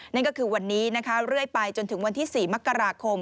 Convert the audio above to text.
นั่นก็คือวันนี้นะคะเรื่อยไปจนถึงวันที่๔มกราคม